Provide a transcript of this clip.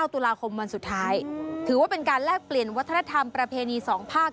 ตุลาคมวันสุดท้ายถือว่าเป็นการแลกเปลี่ยนวัฒนธรรมประเพณี๒ภาค